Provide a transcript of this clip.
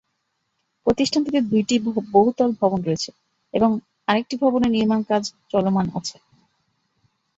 প্রতিষ্ঠানটিতে দুইটি বহুতল ভবন রয়েছে এবং আরেকটি ভবনের নির্মাণকাজ চলমান আছে।